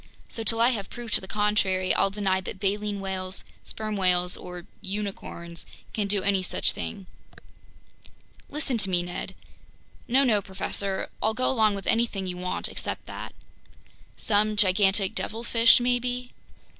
So till I have proof to the contrary, I'll deny that baleen whales, sperm whales, or unicorns can do any such thing." "Listen to me, Ned—" "No, no, professor. I'll go along with anything you want except that. Some gigantic devilfish maybe ..